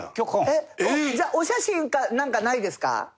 じゃあお写真かなんかないですか？